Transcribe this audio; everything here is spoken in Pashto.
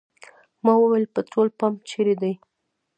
ما وویل پټرول پمپ چېرې دی.